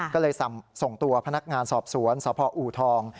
ก็เลยส่งตัวพนักงานสอบสวนสพอูทอง